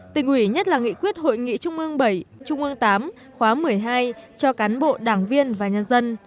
tỉnh ủy nhất là nghị quyết hội nghị trung ương bảy trung ương viii khóa một mươi hai cho cán bộ đảng viên và nhân dân